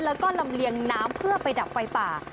แล้วก็ลำเลียงน้ำเพื่อไปดับไฟป่า